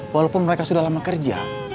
walaupun mereka sudah lama kerja